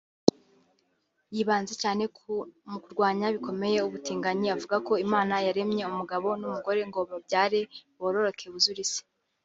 yibanze cyane mu kurwanya bikomeye ubutinganyi avuga ko Imana yaremeye umugabo umugore ngo babyare bororoke buzure isi